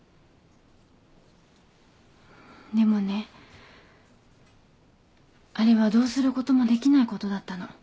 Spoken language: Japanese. でもねあれはどうすることもできないことだったの。